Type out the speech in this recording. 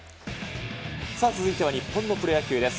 さあ、続いては日本のプロ野球です。